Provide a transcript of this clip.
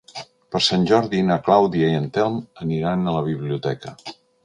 Per Sant Jordi na Clàudia i en Telm aniran a la biblioteca.